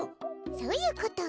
そういうこと。